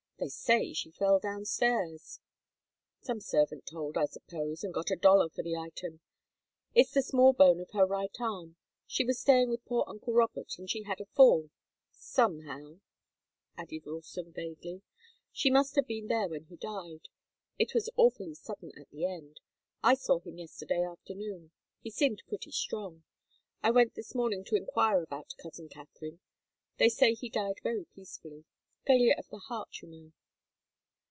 They say she fell downstairs." "Some servant told, I suppose, and got a dollar for the item. It's the small bone of her right arm she was staying with poor uncle Robert, and she had a fall somehow," added Ralston, vaguely. "She must have been there when he died. It was awfully sudden at the end. I saw him yesterday afternoon. He seemed pretty strong. I went this morning to enquire about cousin Katharine they say he died very peacefully. Failure of the heart, you know."